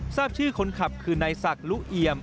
ทราบชื่อคนขับคือนายศักดิ์ลุเอียม